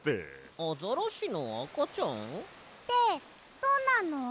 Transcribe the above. アザラシのあかちゃん？ってどんなの？